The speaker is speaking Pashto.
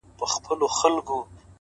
زما زنده گي وخوړه زې وخوړم؛